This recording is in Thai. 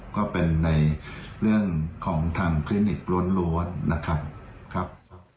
ก็เป็นในเรื่องของทางคลินิกล้วนนะครับ